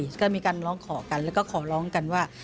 ก็มาเวลามีการลองขอกันและก็ขอร้องกันว่า